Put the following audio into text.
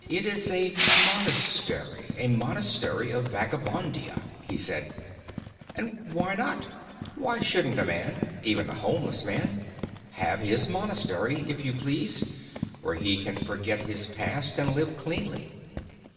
"It is a Monastery a Monastery of Vagabondia," he said, "and why not? why shouldn't a man, even a homeless man, have his Monastery, if you please, where he can forget his past and live cleanly?